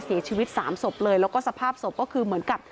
เสียชีวิตสามศพเลยแล้วก็สภาพศพก็คือเหมือนกับ